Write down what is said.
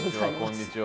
こんにちは。